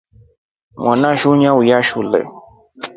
Mwanasu su auya shule.